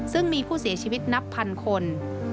ซึ่งมีผู้เสียชีวิตนับพันคน